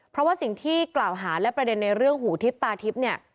เพราะว่าสิ่งที่กล่าวหาและประเด็นในเรื่องหูทิพย์ตาทิพย์เนี่ย